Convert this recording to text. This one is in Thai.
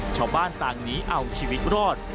ชาวบ้านต่างหนีเอาชีวิตรอด